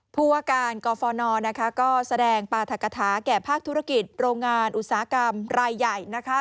ผู้ว่าการกฟนนะคะก็แสดงปราธกฐาแก่ภาคธุรกิจโรงงานอุตสาหกรรมรายใหญ่นะคะ